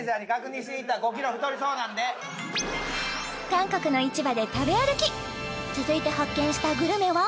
韓国の市場で食べ歩き続いて発見したグルメは？